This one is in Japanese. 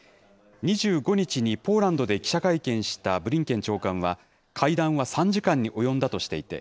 ２５日にポーランドで記者会見したブリンケン長官は、会談は３時間に及んだとしていて、